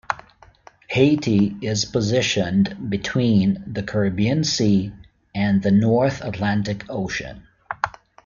Haiti is positioned between the Caribbean Sea and the North Atlantic Ocean.